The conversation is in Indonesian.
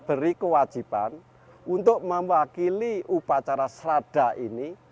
beri kewajiban untuk mewakili upacara serada ini